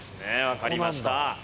わかりました。